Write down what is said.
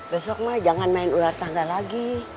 besok mah jangan main ular tangga lagi